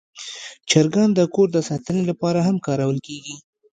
چرګان د کور د ساتنې لپاره هم کارول کېږي.